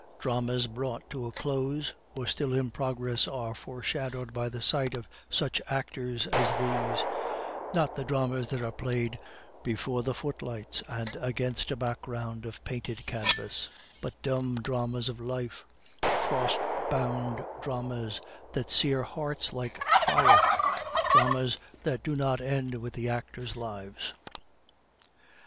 Dramas brought to a close or still in progress are foreshadowed by the sight of such actors as these, not the dramas that are played before the footlights and against a background of painted canvas, but dumb dramas of life, frost bound dramas that sere hearts like fire, dramas that do not end with the actors' lives.